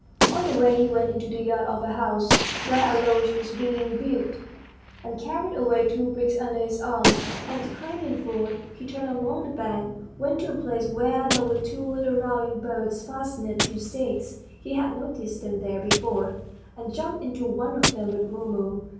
On the way he went into the yard of a house, where a lodge was being built, and carried away two bricks under his arm. At the Crimean Ford, he turned along the bank, went to a place where there were two little rowing boats fastened to stakes (he had noticed them there before), and jumped into one of them with Mumu.